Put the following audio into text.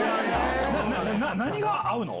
何が合うの？